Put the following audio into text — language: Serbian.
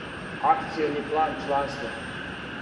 Акциони план чланства.